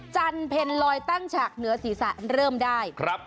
จันเพ็ญลอยตั้งฉากเหนือศีรษะเริ่มได้